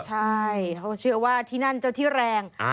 ใช่เขาเชื่อว่าที่นั่นเจ้าที่แรง